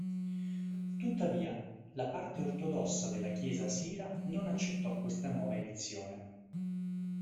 Tuttavia la parte ortodossa della Chiesa sira, non accettò questa nuova elezione.